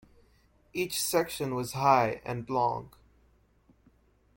Each section was high, and long.